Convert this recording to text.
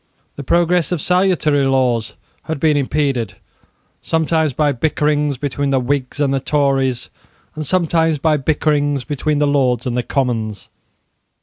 The progress of salutary laws had been impeded, sometimes by bickerings between the Whigs and the Tories, and sometimes by bickerings between the Lords and the Commons.